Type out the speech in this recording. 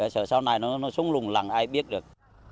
sợ sau này nó xuống lùng lằn ai biết được